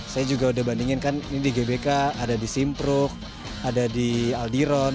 saya juga udah bandingin kan ini di gbk ada di simpruk ada di aldiron